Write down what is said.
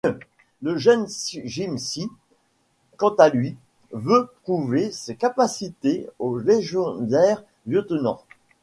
Le jeune Jim Chee, quant à lui, veut prouver ses capacités au légendaire lieutenant.